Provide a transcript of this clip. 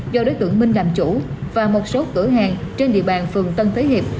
do đối tượng minh làm chủ và một số cửa hàng trên địa bàn phường tân thế hiệp